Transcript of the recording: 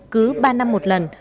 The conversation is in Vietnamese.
cứ ba năm một lần